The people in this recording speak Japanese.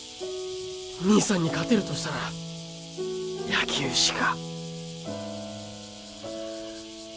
兄さんに勝てるとしたら野球しか。